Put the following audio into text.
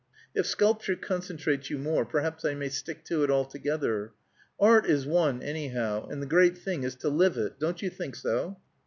If sculpture concentrates you more, perhaps I may stick to it altogether. Art is one, anyhow, and the great thing is to live it. Don't you think so?"